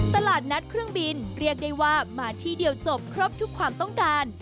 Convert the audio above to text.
ตลาดนัดเครื่องบินเรียกได้ว่ามาที่เดียวจบครบทุกความต้องการ